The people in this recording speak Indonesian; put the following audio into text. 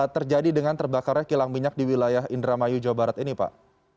terjadi dengan terbakarnya kilang minyak di wilayah indramayu jawa barat ini pak